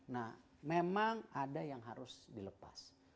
nah memang ada yang harus dilepas